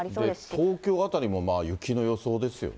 東京辺りも雪の予想ですよね。